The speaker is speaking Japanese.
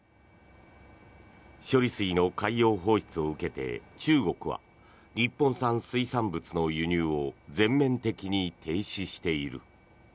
処理水の海洋放出を受けて中国は日本産水産物の輸入を全面的に停止している。